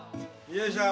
よいしょ。